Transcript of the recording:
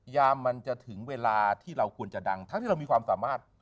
ยามมันจะถึงเวลาที่เราควรจะดังทั้งที่เรามีความสามารถ